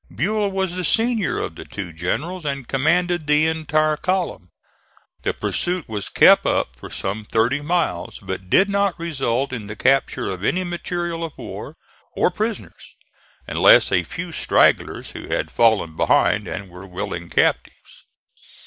Buell was the senior of the two generals and commanded the entire column. The pursuit was kept up for some thirty miles, but did not result in the capture of any material of war or prisoners, unless a few stragglers who had fallen behind and were willing captives.